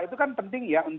itu kan penting ya